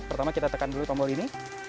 pertama kita tekan dulu tombol ini